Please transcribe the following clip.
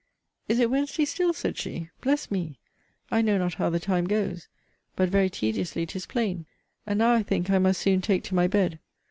Is it Wednesday still, said she; bless me! I know not how the time goes but very tediously, 'tis plain. And now I think I must soon take to my bed.